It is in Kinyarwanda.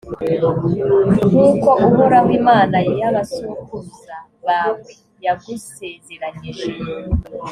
nk’uko uhoraho imana y’abasokuruza bawe yagusezeranyije.